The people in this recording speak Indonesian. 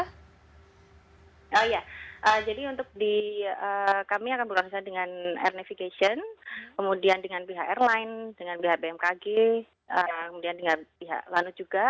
oh iya jadi untuk kami akan berusaha dengan air navigation kemudian dengan pihak airline dengan pihak bmkg kemudian dengan pihak lanut juga